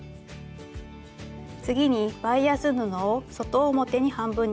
次にバイアス布を外表に半分に折ります。